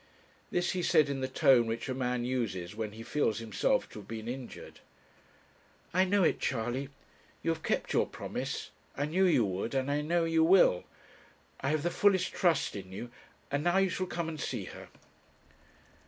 This he said in the tone which a man uses when he feels himself to have been injured. 'I know it, Charley; you have kept your promise; I knew you would, and I know you will. I have the fullest trust in you; and now you shall come and see her.'